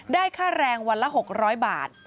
ค่าแรงวันละ๖๐๐บาท